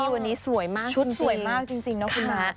วันนี้สวยมากชุดสวยมากจริงนะคุณนะ